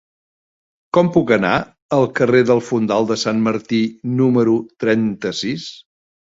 Com puc anar al carrer del Fondal de Sant Martí número trenta-sis?